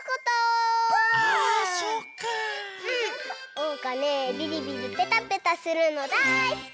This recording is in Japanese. おうかねビリビリペタペタするのだいすき！